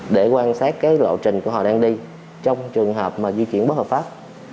để quan sát cái lộ trình của họ đang đi trong trường hợp mà di chuyển bất hợp pháp